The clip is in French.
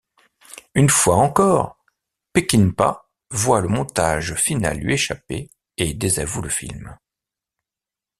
Une fois encore, Peckinpah voit le montage final lui échapper et désavoue le film.